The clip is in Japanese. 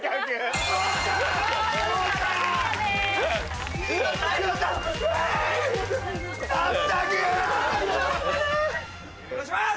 お願いします！